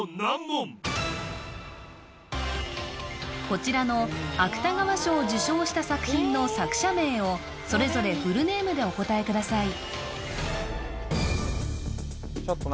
こちらの芥川賞を受賞した作品の作者名をそれぞれフルネームでお答えください